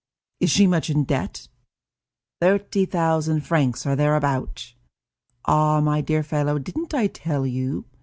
"Is she much in debt?" "Thirty thousand francs, or thereabouts. Ah, my dear fellow, didn't I tell you?